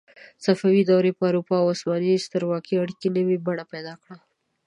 صفوي دورې په اروپا او عثماني سترواکۍ اړیکې نوې بڼه پیدا کړه.